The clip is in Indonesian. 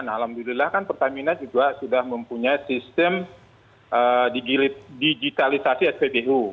alhamdulillah pertamina juga sudah mempunyai sistem digitalisasi sppu